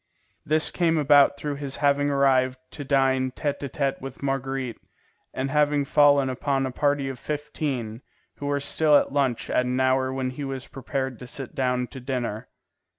This came about through his having once arrived to dine tête à tête with Marguerite, and having fallen upon a party of fifteen, who were still at lunch at an hour when he was prepared to sit down to dinner.